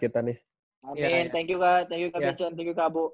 amin thank you kak thank you kak biasan thank you kak abu